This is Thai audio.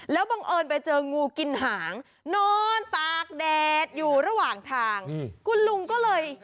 แล้วบังเอิญไปเจองูกินหางนอนตากแดดอยู่ระหว่างทางคุณลุงก็เลย